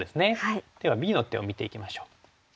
ではＢの手を見ていきましょう。